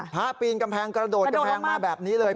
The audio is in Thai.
ปีนกำแพงกระโดดกำแพงมาแบบนี้เลย